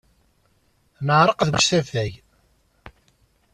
Neɛreq deg usafag.